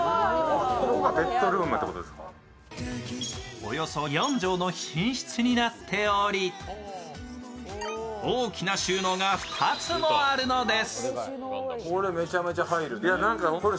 およそ４畳の寝室になっており、大きな収納が２つもあるのです。